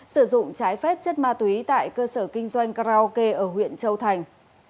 sử dụng trái phép chất ma túy tại cơ sở kinh doanh karaoke ở huyện châu thành